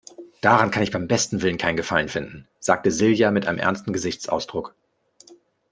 Daran kann ich beim besten Willen keinen Gefallen finden, sagte Silja mit einem ernsten Gesichtsausdruck.